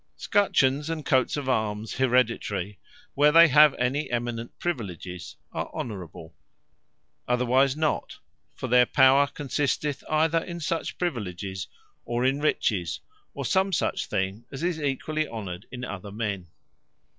Scutchions, and coats of Armes haereditary, where they have any eminent Priviledges, are Honourable; otherwise not: for their Power consisteth either in such Priviledges, or in Riches, or some such thing as is equally honoured in other men.